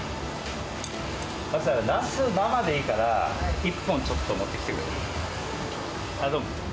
ナス、生でいいから、１本ちょっと持ってきてくれ。